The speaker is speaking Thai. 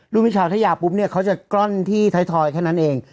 รุ่นพี่เช้าถ้าอยากปุ๊บเนี้ยเขาจะกล้อนที่ท้ายทอยแค่นั้นเอง